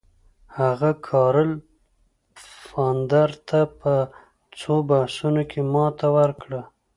هغه کارل پفاندر ته په څو بحثونو کې ماته ورکړه.